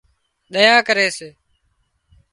ۮيا ڪري سي